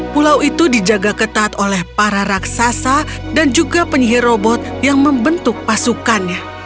pulau itu dijaga ketat oleh para raksasa dan juga penyihir robot yang membentuk pasukannya